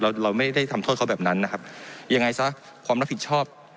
เราเราไม่ได้ทำโทษเขาแบบนั้นนะครับยังไงซะความรับผิดชอบ